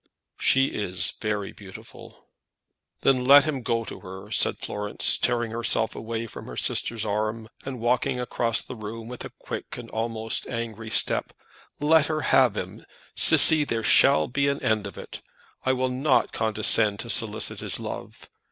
"She is very beautiful." "Let him go to her," said Florence, tearing herself away from her sister's arm, and walking across the room with a quick and almost angry step. "Let her have him. Cissy, there shall be an end of it. I will not condescend to solicit his love.